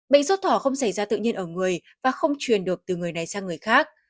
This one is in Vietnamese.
bệnh sốt thỏ không xảy ra tự nhiên ở người và không truyền được từ người này sang người khác